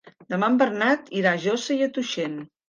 Demà en Bernat irà a Josa i Tuixén.